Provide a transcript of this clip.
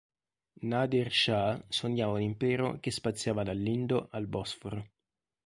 Nadir Shah sognava un impero che spaziava dall'Indo al Bosforo.